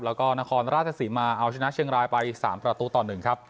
แล้วก็นครราชศรีมาเอาชนะเชียงรายไป๓ประตูต่อ๑ครับ